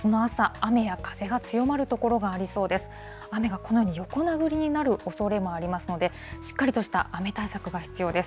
雨がこのように、横殴りになるおそれもありますので、しっかりとした雨対策が必要です。